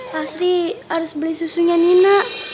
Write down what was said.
pak asri harus beli susunya nina